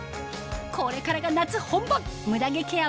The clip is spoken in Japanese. これからが夏本番ムダ毛ケア